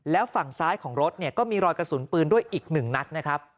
แล้วฝั่งซ้ายของรถเนี่ยก็มีรอยกระสุนปืนด้วยอีก๑นัดนะครับ